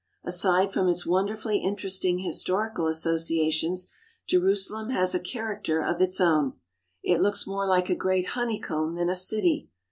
Aside from its wonderfully interesting his torical associations, Jerusalem has a character of its own. It looks more like a great honeycomb than a city.